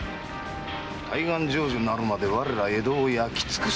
「大願成就なるまで我ら江戸を焼き尽くす」。